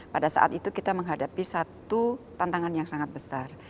pada saat itu kita menghadapi satu tantangan yang sangat besar